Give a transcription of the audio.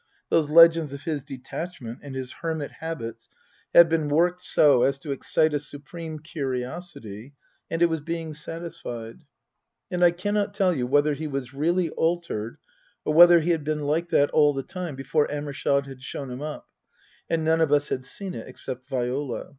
Those legends of his detachment and his hermit habits had been worked so as to excite a supreme curiosity and it was being satisfied. And I cannot tell you whether he was really altered, or whether he had been like that all the time before Amershott had shown him up, and none of us had seen it except Viola.